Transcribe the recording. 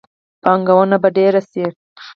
پانګونه به ډیره شي.